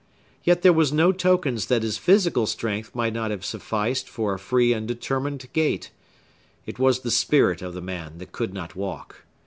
Yet there were no tokens that his physical strength might not have sufficed for a free and determined gait. It was the spirit of the man that could not walk.